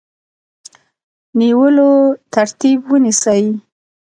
نیولو ترتیب ونیسي.